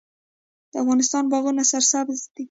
د افغانستان باغونه سرسبز دي